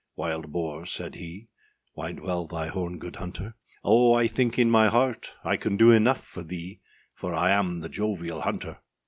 â wild boar, said he, {125b} Wind well thy horn, good hunter; âOh, I think in my heart I can do enough for thee, For I am the jovial hunter.